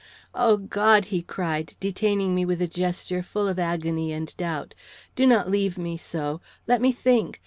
"O God!" he cried, detaining me with a gesture full of agony and doubt. "Do not leave me so; let me think.